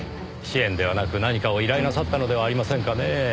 支援ではなく何かを依頼なさったのではありませんかねぇ。